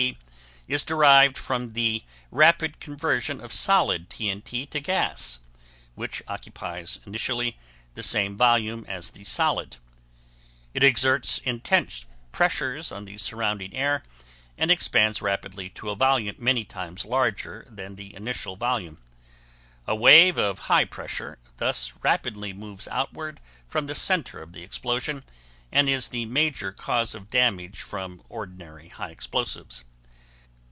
T. is derived from the rapid conversion of solid T.N.T. to gas, which occupies initially the same volume as the solid; it exerts intense pressures on the surrounding air and expands rapidly to a volume many times larger than the initial volume. A wave of high pressure thus rapidly moves outward from the center of the explosion and is the major cause of damage from ordinary high explosives.